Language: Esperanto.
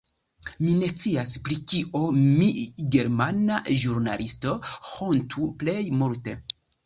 Mi ne scias, pri kio mi, germana ĵurnalisto, hontu plej multe.